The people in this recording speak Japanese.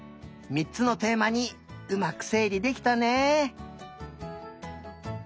３つのテーマにうまくせいりできたね。